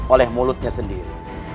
oleh mulutnya sendiri